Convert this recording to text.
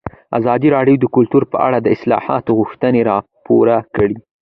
ازادي راډیو د کلتور په اړه د اصلاحاتو غوښتنې راپور کړې.